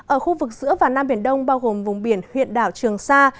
ở khu vực giữa và nam biển đông bao gồm vùng biển huyện đảo trường sa